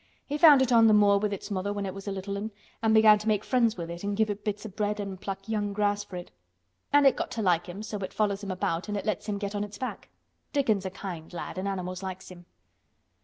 "He found it on th' moor with its mother when it was a little one an' he began to make friends with it an' give it bits o' bread an' pluck young grass for it. And it got to like him so it follows him about an' it lets him get on its back. Dickon's a kind lad an' animals likes him."